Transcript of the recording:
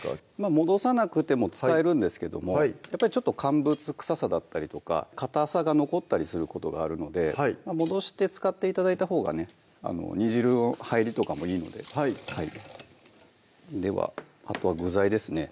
戻さなくても使えるんですけどもやっぱりちょっと乾物臭さだったりとかかたさが残ったりすることがあるので戻して使って頂いたほうがね煮汁の入りとかもいいのでではあとは具材ですね